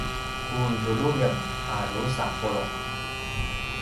ku zululjen a drusa puluq